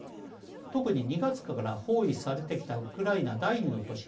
特に２月から包囲されてきたウクライナ第２の都市